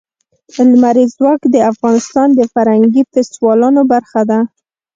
لمریز ځواک د افغانستان د فرهنګي فستیوالونو برخه ده.